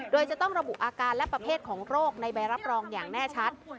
โดยจะต้องระบุอาการและประเภทของโรคในใบรับรองอย่างแน่ชัด